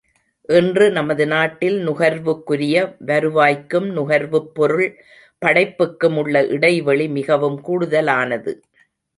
இன்று நமது நாட்டில் நுகர்வுக்குரிய வருவாய்க்கும் நுகர்வுப் பொருள் படைப்புக்கும் உள்ள இடைவெளி மிகவும் கூடுதலானது.